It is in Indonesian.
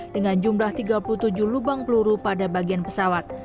dengan jumlah tiga puluh tujuh lubang peluru pada bagian pesawat